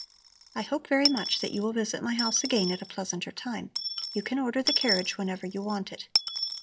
I hope very much that you will visit my house again at a pleasanter time. You can order the carriage whenever you want it."